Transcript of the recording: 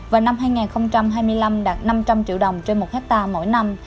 và năm hai nghìn hai mươi năm đạt năm trăm linh triệu đồng trên một hectare mỗi năm